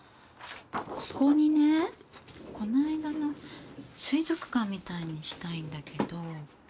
ここにねこの間の水族館みたいにしたいんだけど。